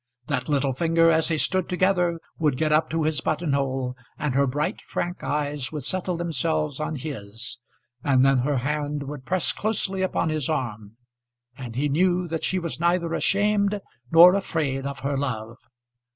That little finger, as they stood together, would get up to his buttonhole, and her bright frank eyes would settle themselves on his, and then her hand would press closely upon his arm, and he knew that she was neither ashamed nor afraid of her love.